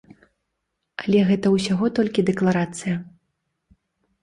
Але гэта ўсяго толькі дэкларацыя.